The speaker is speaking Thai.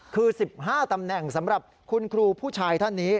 คือ๑๕ตำแหน่งสำหรับคุณครูผู้ชายท่านนี้